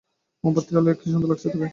মোমবাতির আলোয় কী সুন্দর লাগছে তাকে!